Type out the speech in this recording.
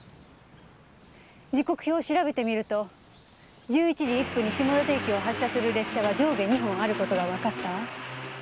時刻表を調べてみると１１時１分に下館駅を発車する列車は上下２本ある事がわかったわ。